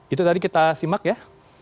itu tadi kita simak ya